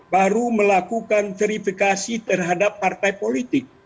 baru melakukan verifikasi terhadap partai politik